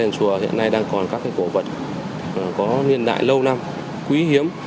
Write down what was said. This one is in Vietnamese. đền chùa hiện nay đang còn các cổ vật có niên đại lâu năm quý hiếm